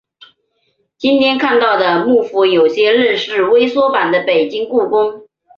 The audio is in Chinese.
今天看到的木府有些类似微缩版的北京故宫。